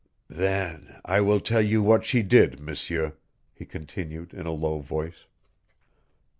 "Then I will tell you what she did, M'seur," he continued in a low voice.